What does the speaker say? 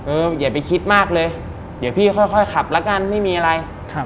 อย่าไปคิดมากเลยเดี๋ยวพี่ค่อยขับแล้วกันไม่มีอะไร